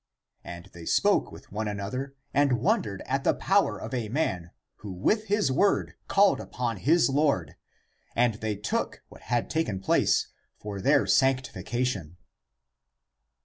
And they spoke with one another and wondered at the power of a man who with his word called upon his Lord, and they took (what had taken place) for their sanctification.